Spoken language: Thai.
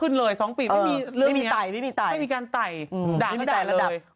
น้องอังจรีสวยขนาดไหน